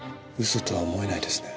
嘘とは思えないですね。